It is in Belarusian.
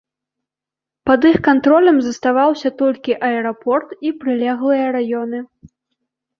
Пад іх кантролем заставаўся толькі аэрапорт і прылеглыя раёны.